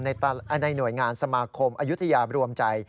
ในหน่วยงานสมาคมอายุทยารวมใจ